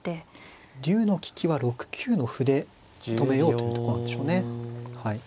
竜の利きは６九の歩で止めようというとこなんでしょうね。